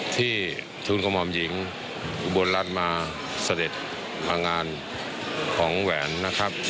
ที่ทุนกระหม่อมหญิงอุบลรัฐมาเสด็จงานของแหวนนะครับ